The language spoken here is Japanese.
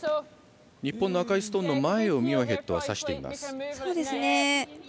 日本の赤いストーンの前をミュアヘッドは指しています。